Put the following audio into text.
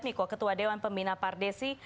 niko ketua dewan pembina pardesi